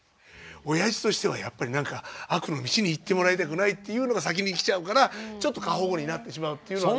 おやじとしてはやっぱり悪の道に行ってもらいたくないっていうのが先に来ちゃうからちょっと過保護になってしまうっていうのは。